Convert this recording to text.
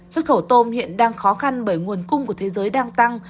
xuất khẩu tôm hiện đang khó khăn bởi nguồn cung của thế giới đang tăng